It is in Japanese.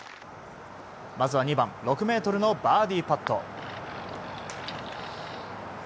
まずは２番６ｍのバーディーパット。